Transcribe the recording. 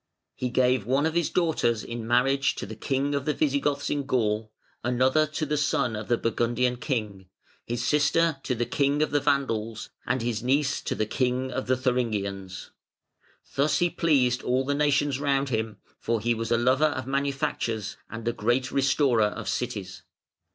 ] "He gave one of his daughters in marriage to the King of the Visigoths in Gaul, another to the son of the Burgundian King; his sister to the King of the Vandals, and his niece to the King of the Thuringians. Thus he pleased all the nations round him, for he was a lover of manufactures and a great restorer of cities.